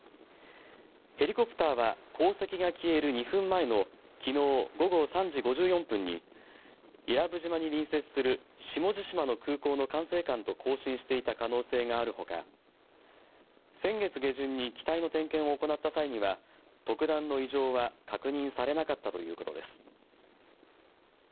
ヘリコプターは航跡が消える２分前のきのう午後３時５４分に伊良部島に隣接する下地島の空港の管制官と交信していた可能性があるほか先月下旬に機体の点検を行った際には特段の異常は確認されなかったということです。